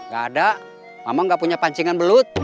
gak ada mama nggak punya pancingan belut